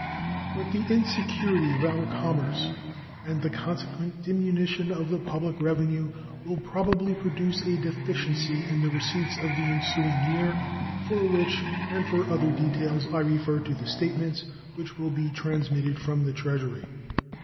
But the insecurity of our commerce and the consequent diminution of the public revenue will probably produce a deficiency in the receipts of the ensuing year, for which and for other details I refer to the statements which will be transmitted from the Treasury.